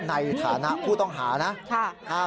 ในฐานะผู้ต้องหานะ